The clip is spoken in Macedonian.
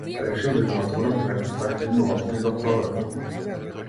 Решив да ги отворам двете стаклени окна и да проветрам.